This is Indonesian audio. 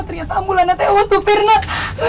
ternyata ambulannya tewas supir nak